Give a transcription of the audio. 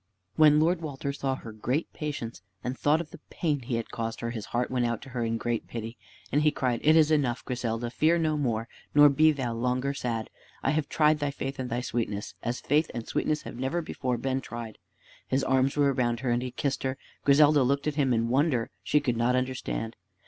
When Lord Walter saw her great patience, and thought of the pain he had caused her, his heart went out to her in great pity, and he cried, "It is enough, Griselda; fear no more, nor be thou longer sad. I have tried thy faith and thy sweetness, as faith and sweetness have never before been tried." His arms were around her, and he kissed her. Griselda looked at him in wonder. She could not understand.